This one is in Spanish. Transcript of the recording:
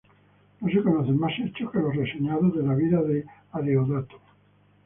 No se conocen más hechos que los reseñados de la vida de Adeodato.